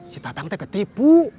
si tatang teh ketipu